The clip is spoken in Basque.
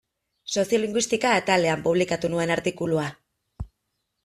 Soziolinguistika atalean publikatu nuen artikulua.